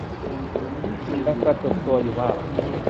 ยังกระจุกตัวอยู่มาก